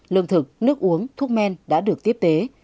lương thực nước uống thuốc men đã được tiếp tế